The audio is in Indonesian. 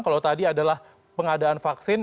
kalau tadi adalah pengadaan vaksin